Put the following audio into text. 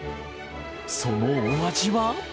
そのお味は？